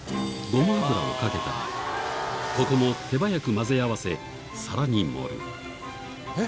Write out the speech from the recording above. ごま油をかけたらここも手早く混ぜ合わせ皿に盛るえ？